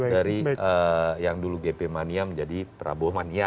dari yang dulu gp mania menjadi prabowo mania